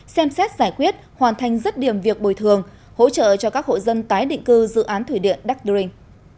xem xét giải quyết hoàn thành rất điểm việc bồi thường hỗ trợ cho các hội dân tái định cư dự án thủy điện đắc đơ rinh